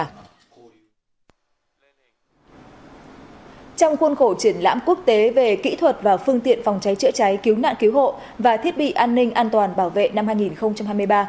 trong khuôn khổ triển lãm quốc tế về kỹ thuật và phương tiện phòng cháy chữa cháy cứu nạn cứu hộ và thiết bị an ninh an toàn bảo vệ năm hai nghìn hai mươi ba